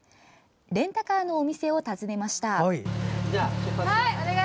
レンタカーのお店を訪ねました。